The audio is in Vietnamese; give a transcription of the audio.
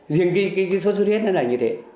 riêng cái suốt huyết nó là như thế